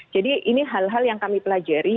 jadi ini hal hal yang kami pelajari